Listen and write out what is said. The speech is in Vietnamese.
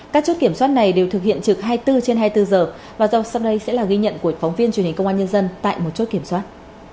các chốt kiểm soát này đều thực hiện trực hai mươi bốn trên hai mươi bốn giờ và sau đây sẽ là ghi nhận của phóng viên truyền hình công an nhân dân tại một chốt kiểm soát